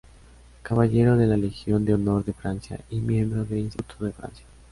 Caballero de la Legión de Honor de Francia y Miembro del Instituto de Francia.